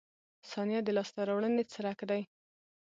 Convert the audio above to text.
• ثانیه د لاسته راوړنې څرک دی.